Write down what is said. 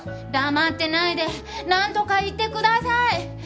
黙ってないでなんとか言ってください。